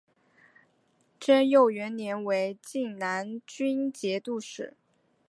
贞佑元年为静难军节度使。